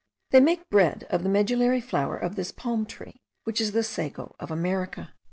They make bread of the medullary flour of this palm tree, which is the sago of America.